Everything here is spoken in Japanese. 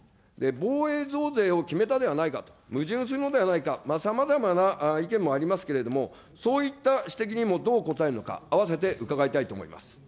防衛増税を決めたではないかと、矛盾するものではないか、さまざまな意見もありますけれども、そういった指摘にもどう応えるのか、併せて伺いたいと思います。